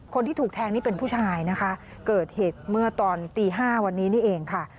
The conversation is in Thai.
คนที่ถูกแทงนี่เป็นผู้ชายนะคะเกิดเหตุเมื่อตอนตี๕วันนี้นี่เองค่ะ